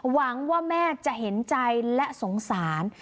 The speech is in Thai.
หวังว่าแม่จะเห็นใจและสงสาร